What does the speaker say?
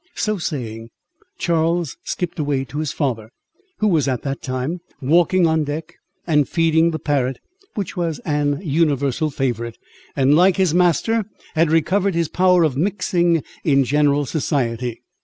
So saying, Charles skipped away to his father, who was at that time walking on deck and feeding the parrot, which was an universal favourite, and, like his master, had recovered his power of mixing in general society.